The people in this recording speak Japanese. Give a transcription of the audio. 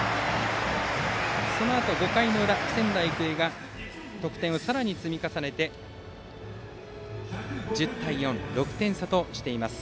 そのあと５回の裏、仙台育英が得点をさらに積み重ねて１０対４、６点差としています。